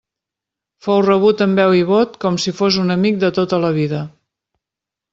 Fou rebut amb veu i vot com si fos un amic de tota la vida.